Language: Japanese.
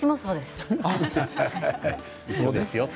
そうですよ。